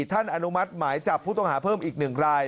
ท่านอนุมัติมายจับผู้ต้องหาเพิ่มอีกหนึ่งราย